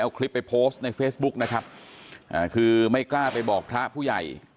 เอาคลิปไปโพสต์ในเฟซบุ๊กนะครับคือไม่กล้าไปบอกพระผู้ใหญ่